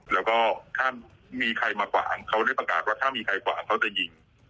แล้วก็ถ้ามีใครมากว่างเขาได้ประกาศว่าถ้ามีใครกวางเขาจะยิง